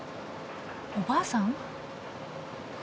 おばあさん。